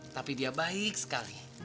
tapi dia baik sekali